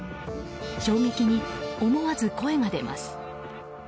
衝撃に思わず声が出ます。